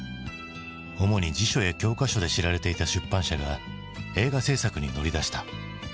主に辞書や教科書で知られていた出版社が映画製作に乗り出した。